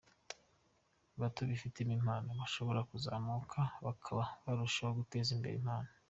bato bifitemo impano bashobora kuzamuka bakaba barushaho guteza imbere impano.